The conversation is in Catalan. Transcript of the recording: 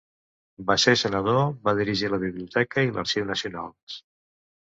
Va ser Senador, va dirigir la Biblioteca i l'Arxiu nacionals.